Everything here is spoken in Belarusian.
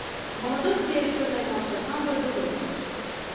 У маладосці яшчэ займаўся самба, дзюдо.